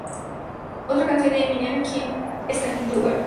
Otra canción de Eminem, "Kim", está en quinto lugar.